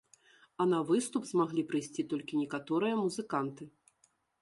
А на выступ змаглі прыйсці толькі некаторыя музыканты.